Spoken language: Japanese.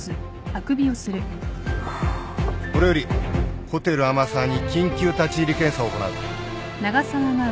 これよりホテル天沢に緊急立入検査を行う。